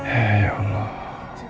eh ya allah